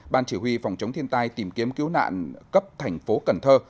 ban chỉ huy phòng chống thiên tai tìm kiếm cứu nạn cấp thành phố cần thơ